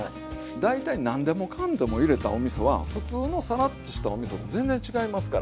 大体何でもかんでも入れたおみそは普通のさらっとしたおみそと全然違いますから。